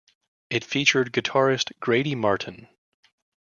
It featured guitarist Grady Martin.